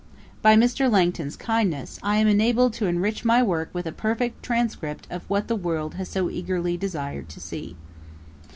By Mr. Langton's kindness, I am enabled to enrich my work with a perfect transcript of what the world has so eagerly desired to see.